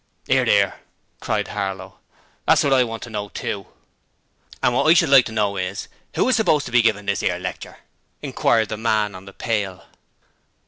''Ear, 'ear,' cried Harlow. 'That's what I want to know, too.' 'And what I should like to know is, who is supposed to be givin' this 'ere lecture?' inquired the man on the pail.